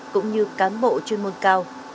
cũng như cán bộ chuyên môn cao